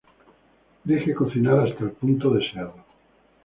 Deje cocinar hasta el punto deseado.